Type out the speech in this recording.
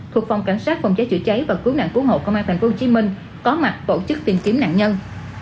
thuộc phòng cảnh sát phòng cháy chữa cháy và cứu nạn cứu hộ công an tp hcm có mặt tổ chức tìm kiếm nạn nhân